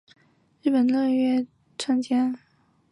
这是该音乐活动首次邀请日本乐团参加。